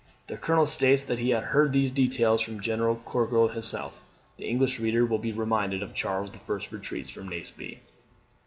The Colonel states that he heard these details from General Gourgaud himself. The English reader will be reminded of Charles I.'s retreat from Naseby.